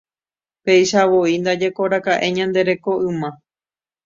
Peichavoi ndajekoraka'e ñande reko yma.